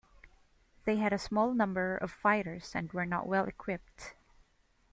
They had a small number of fighters and were not well equipped.